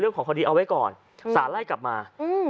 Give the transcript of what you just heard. เรื่องของคดีเอาไว้ก่อนสารไล่กลับมา